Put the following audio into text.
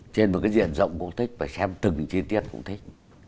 nhìn một cái diện rộng cũng thích và xem từng chi tiết cũng thích